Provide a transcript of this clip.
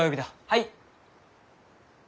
はい！